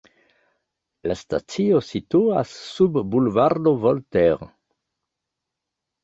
La stacio situas sub Bulvardo Voltaire.